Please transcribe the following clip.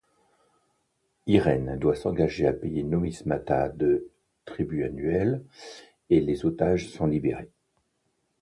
Irène doit s'engager à payer nomismata de tribut annuel et les otages sont libérés.